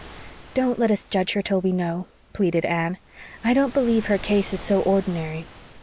"Don't let us judge her till we know," pleaded Anne. "I don't believe her case is so ordinary.